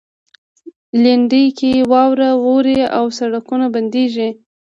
لېندۍ کې واوره اوري او سړکونه بندیږي.